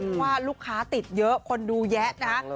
เพราะว่าลูกค้าติดเยอะคนดูแยะนะคะ